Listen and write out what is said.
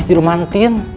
di rumah mantin